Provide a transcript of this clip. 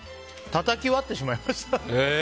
たたき割ってしまいました。